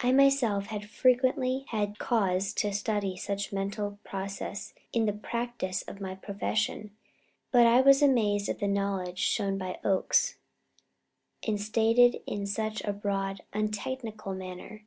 I myself had frequently had cause to study such mental processes in the practice of my profession, but I was amazed at the knowledge shown by Oakes, and stated in such a broad, untechnical manner.